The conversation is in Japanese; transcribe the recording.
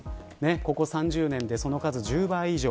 ここ３０年でその数１０倍以上。